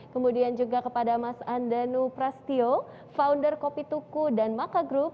kemudian juga kepada mas andanu prasetyo founder kopi tuku dan maka group